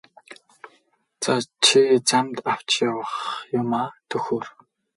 За чи замд авч явах юмаа төхөөр!